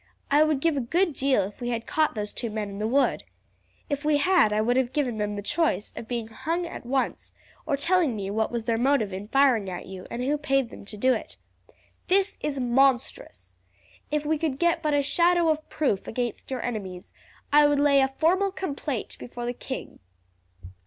"I would give a good deal if we had caught those two men in the wood. If we had I would have given them the choice of being hung at once or telling me what was their motive in firing at you and who paid them to do it. This is monstrous. If we could get but a shadow of proof against your enemies I would lay a formal complaint before the king.